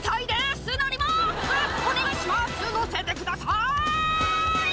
「乗せてください！」